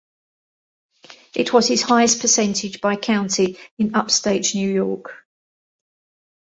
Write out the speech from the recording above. It was his highest percentage by county in upstate New York.